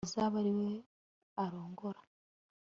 azabe ari we arongora